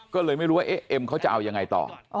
ก็เลยไม่รู้ว่าเอ๊ะเอ็มเขาจะเอายังไงต่อ